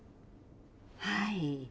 はい。